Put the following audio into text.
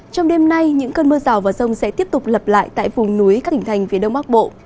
trong đêm nay những cơn mưa rào và rông sẽ tiếp tục lập lại tại vùng núi các tỉnh thành phía đông bắc bộ